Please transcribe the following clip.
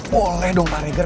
boleh dong pak regar